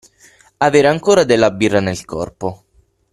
Avere ancora della birra nel corpo.